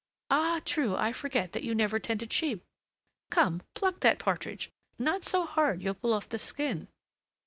Ah! true! I forget that you never tended sheep! Come, pluck that partridge! Not so hard! you'll pull off the skin!"